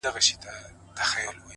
زما تصور كي دي تصوير ويده دی.!